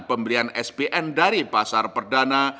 pembelian spn dari pasar perdana